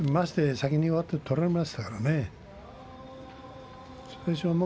先に上手も取られましたからね。